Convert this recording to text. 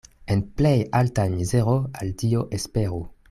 En plej alta mizero al Dio esperu.